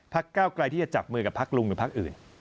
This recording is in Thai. ภาคเก้าไกรที่จะจับมือกับภาคลุงหรือภาคอื่น